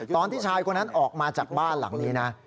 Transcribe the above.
ตอนที่ชายคนนั้นออกมาจากบ้านหลังนี้นะ